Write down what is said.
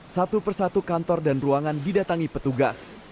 satu persatu kantor dan ruangan didatangi petugas